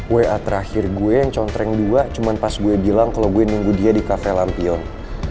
wa terakhir gue yang contreng dua cuma pas gue bilang kalau gue yang nunggu dia di cafe lampion